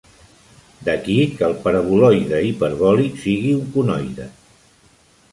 D'aquí que el paraboloide hiperbòlic sigui un conoide.